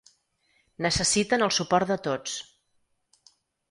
Necessiten el suport de tots.